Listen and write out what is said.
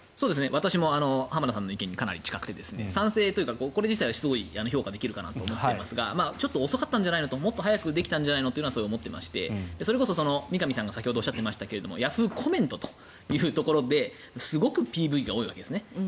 私も浜田さんの意見にかなり近くて賛成というかこれ自体は評価できるかなと思っていますがちょっと遅かったんじゃないのともっと早くできたんじゃないのと思っていましてそれこそ三上さんが先ほどおっしゃっていましたがヤフーコメントということですごくＰＶが多いわけですね。